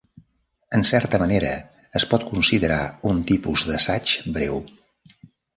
En certa manera es pot considerar un tipus d'assaig breu.